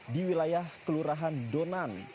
di wilayah kelurahan donan